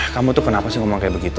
kamu tuh kenapa sih ngomong kayak begitu